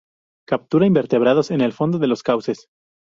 Captura invertebrados en el fondo de los cauces.